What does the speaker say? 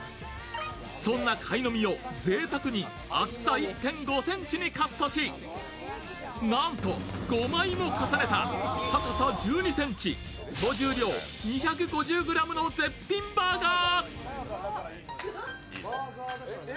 そんなカイノミをぜいたくに厚さ１．５ｃｍにカットしなんと、５枚も重ねた高さ１２ｃｍ総重量２５０ｇの絶品バーガー。